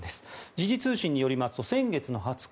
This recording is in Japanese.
時事通信によりますと先月の２０日